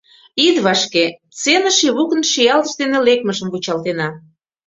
— Ит вашке, сценыш Ивукын шиялтыш дене лекмыжым вучалтена.